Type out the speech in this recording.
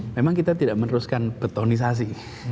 memang kita tidak meneruskan betonisasi